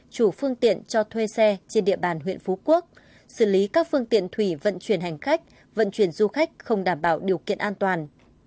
chủ phương tiện cho thuê xe trên địa bàn huyện phú quốc xử lý các phương tiện thủy vận chuyển hành khách vận chuyển du khách không đảm bảo điều kiện an toàn